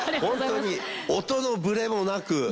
ホントに音のブレもなく。